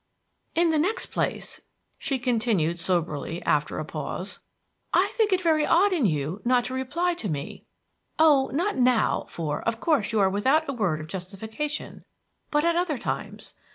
"In the next place," she continued soberly, after a pause, "I think it very odd in you not to reply to me, oh, not now, for of course you are without a word of justification; but at other times.